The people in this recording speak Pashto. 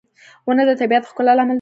• ونه د طبيعي ښکلا لامل دی.